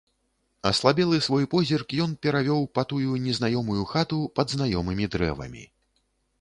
Аслабелы свой позірк ён перавёў па тую незнаёмую хату пад знаёмымі дрэвамі.